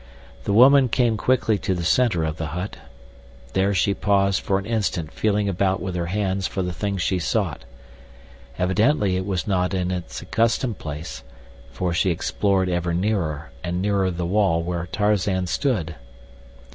The woman came quickly to the center of the hut. There she paused for an instant feeling about with her hands for the thing she sought. Evidently it was not in its accustomed place, for she explored ever nearer and nearer the wall where Tarzan stood.